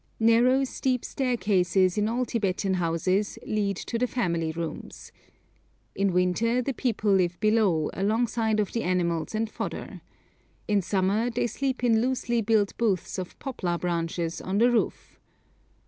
Narrow, steep staircases in all Tibetan houses lead to the family rooms. In winter the people live below, alongside of the animals and fodder. In summer they sleep in loosely built booths of poplar branches on the roof.